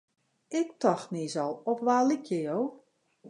Ik tocht niis al, op wa lykje jo?